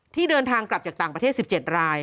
เดินทางกลับจากต่างประเทศ๑๗ราย